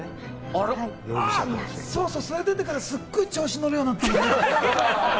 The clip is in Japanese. あれに出てから、すっごい調子乗るようになったもんね。